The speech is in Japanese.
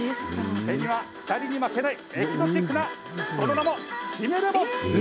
手には２人に負けないエキゾチックなその名も姫レモン。